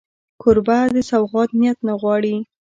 کوربه د سوغات نیت نه غواړي.